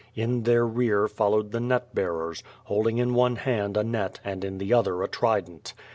In their rear followed the net bearers, holding in one hand a net and in the other a trident.